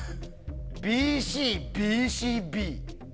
Ｂ、Ｃ、Ｂ、Ｃ、Ｂ。